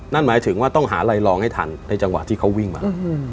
นั่นหมายถึงว่าต้องหาลายรองให้ทันในจังหวะที่เขาวิ่งมา